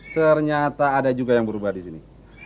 ternyata ada juga yang berubah di sini